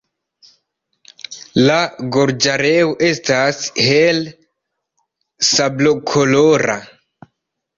La gorĝareo estas hele sablokolora.